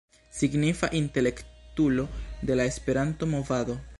Signifa intelektulo de la Esperanto-movado.